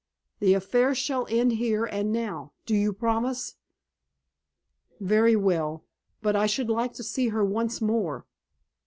"The affair shall end here and now. Do you promise?" "Very well. But I should like to see her once more."